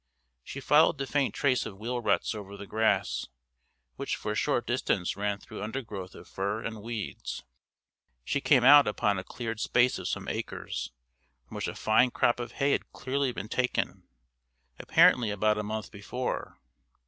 She followed the faint trace of wheel ruts over the grass, which for a short distance ran through undergrowth of fir and weeds. She came out upon a cleared space of some acres, from which a fine crop of hay had clearly been taken, apparently about a month before.